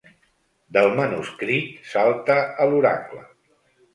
Del manuscrit salta a l'oracle.